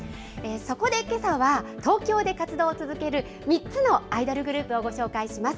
そこでけさは、東京で活動を続ける３つのアイドルグループをご紹介します。